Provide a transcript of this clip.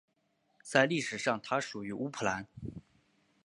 在历史上它属于乌普兰。